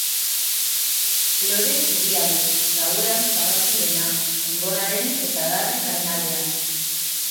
Lore zuria du, gauean zabaltzen dena, enborraren eta adarren gainaldean.